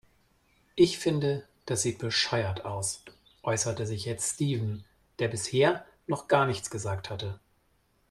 "Ich finde, das sieht bescheuert aus", äußerte sich jetzt Steven, der bisher noch gar nichts gesagt hatte.